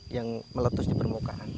yang meletus di permukaan